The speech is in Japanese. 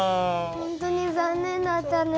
ホントに残念だったね。